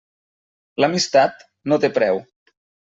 L'amistat no té preu.